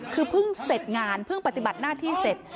คือเพิ่งเสร็จงานเพิ่งปฏิบัติหน้าที่เสร็จ